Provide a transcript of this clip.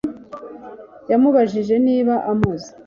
Yamubajije niba amuzi